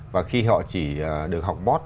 và khi họ chỉ được học bót